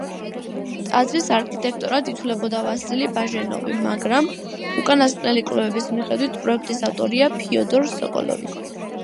ტაძრის არქიტექტორად ითვლებოდა ვასილი ბაჟენოვი, მაგრამ უკანასკნელი კვლევების მიხედვით პროექტის ავტორია ფიოდორ სოკოლოვი.